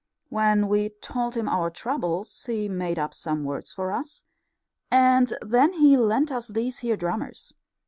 When we'd told him our troubles, he made up some words for us, and then he lent us these here drummers.